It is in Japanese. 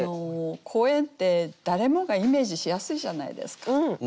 公園って誰もがイメージしやすいじゃないですか。